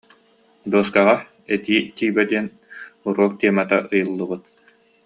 Дуоскаҕа «Этии тиибэ» диэн уруок тиэмэтэ ыйыллыбыт